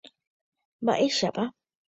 Mba'éichapa.